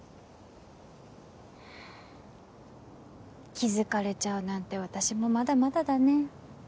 気づかれちゃうなんて私もまだまだだね。